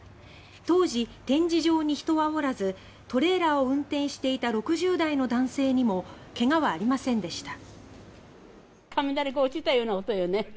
当時、展示場に人はおらずトレーラーを運転していた６０代の男性にもけがはありませんでした。